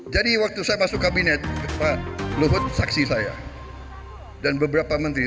jadi waktu saya masuk kabinet pak luhut saksi saya dan beberapa menteri